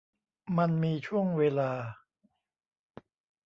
มันมีช่วงเวลา